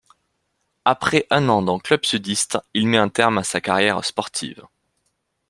Après un an dans club sudiste, il met un terme à sa carrière sportive.